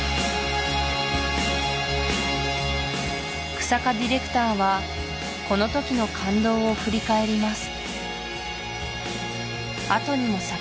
日下ディレクターはこの時の感動を振り返ります